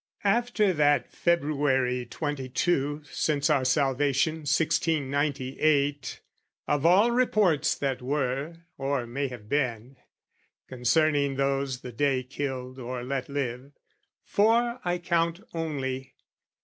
After that February Twenty two, Since our salvation, Sixteen Ninety Eight, Of all reports that were, or may have been, Concerning those the day killed or let live, Four I count only.